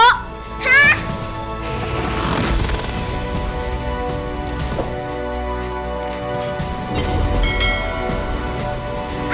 ah ini dia